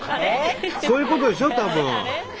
そういうことでしょたぶん。